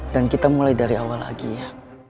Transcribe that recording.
dan kita mulai dari awal lagi ya